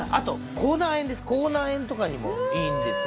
口内炎とかにもいいんですよ